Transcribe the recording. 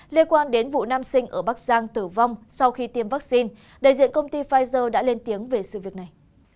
liên quan đến vụ nam sinh ở bắc giang tử vong sau khi tiêm vaccine đại diện công ty pfizer đã lên tiếng về sự việc này